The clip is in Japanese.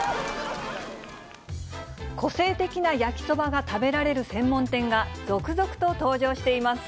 個性的な焼きそばが食べられる専門店が、続々と登場しています。